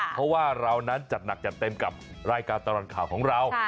เพราะว่าเรานั้นจัดหนักจัดเต็มกับรายการตลอดข่าวของเรา